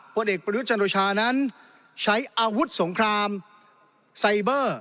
ผลเอกประยุทธ์จันโอชานั้นใช้อาวุธสงครามไซเบอร์